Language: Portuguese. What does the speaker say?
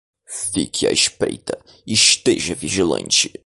Fique à espreita, esteja vigilante